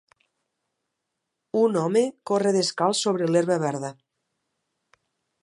Un home corre descalç sobre l'herba verda.